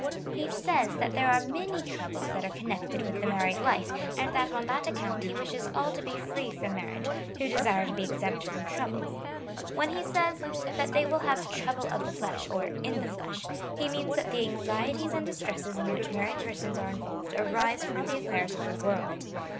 He says, that there are many troubles that are connected with the married life, and that on that account he wishes all to be free from mar riage, who desire to be exempt from troubles. When he says, that they will have trouble of the flesh, or in the flesh, he means, that the anxieties and distresses in which married persons are involved arise from the affairs of the world.